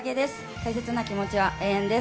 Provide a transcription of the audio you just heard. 大切な気持ちは永遠です。